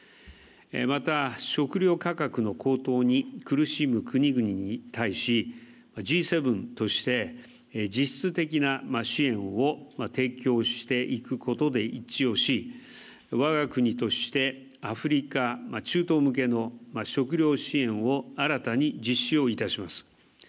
また、食料価格の高騰に苦しむ国々に対し、Ｇ７として実質的な支援を提供していくことで一致をしわが国としてアフリカ、中東向けの食糧支援を新たに実施をいたします。